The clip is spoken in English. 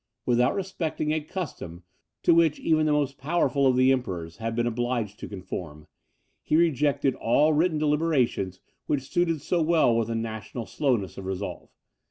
Without respecting a custom, to which even the most powerful of the emperors had been obliged to conform, he rejected all written deliberations which suited so well with the national slowness of resolve.